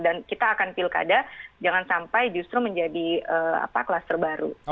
dan kita akan pilkada jangan sampai justru menjadi kelas terbaru